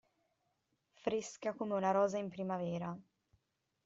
Fresca come una rosa in primavera.